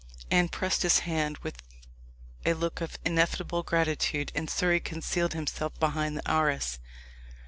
Anne pressed his hand, with a look of ineffable gratitude, and Surrey concealed himself behind the arras.